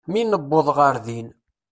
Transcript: Mi newweḍ ɣer din.